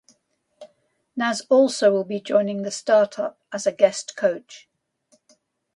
Nas also will be joining the startup as a guest coach.